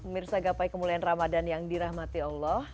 mirsa gapai kemuliaan ramadan yang dirahmati allah